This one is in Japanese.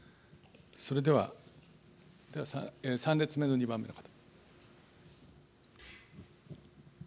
それでは、３列目の２番目の方。